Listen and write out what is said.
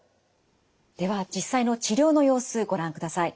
では実際の治療の様子ご覧ください。